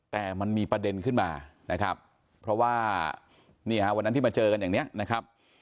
แต่มันมีประเด็นขึ้นมานะครับเพราะว่านี่ฮะวันนั้นที่มาเจอกันอย่างนี้นะครับ